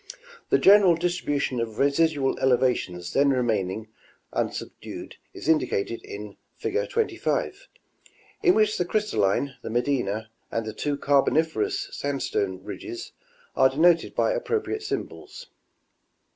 The general distribution of residual elevations then remaining unsubdued is indicated in fig. 25, in which the Crystalline, the Medina, and the two Carboniferous sandstone ridges are denoted by appropriate symbols.